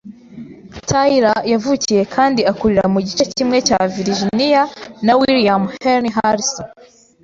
Tyler yavukiye kandi akurira mu gice kimwe cya Virijiniya na William Henry Harrison.